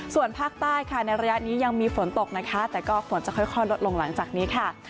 ส่วนภาคใต้ค่ะในระยะนี้ยังมีฝนตกนะคะแต่ก็ฝนจะค่อยลดลงหลังจากนี้ค่ะ